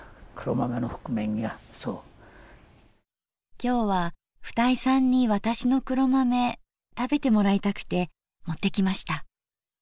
今日は二井さんに私の黒豆食べてもらいたくて持ってきました。